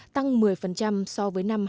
tăng một mươi so với năm hai nghìn một mươi